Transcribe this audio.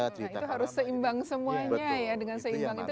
nah itu harus seimbang semuanya ya